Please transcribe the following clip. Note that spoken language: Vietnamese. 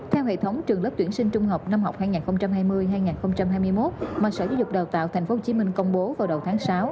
theo hệ thống trường lớp tuyển sinh trung học năm học hai nghìn hai mươi hai nghìn hai mươi một mà sở giáo dục đào tạo tp hcm công bố vào đầu tháng sáu